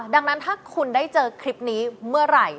ดังนั้นถ้าคุณได้เจอคลิปนี้เมื่อไหร่